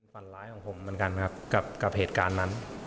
ฝันร้ายของผมเหมือนกันนะครับกับเหตุการณ์นั้น